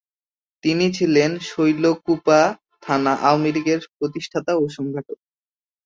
তিনি ছিলেন শৈলকুপা থানা আওয়ামীলীগের প্রতিষ্ঠাতা ও সংগঠক।